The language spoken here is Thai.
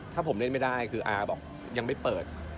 ถ้าผมเล่นไม่ได้คืออาบอกยังไม่เปิด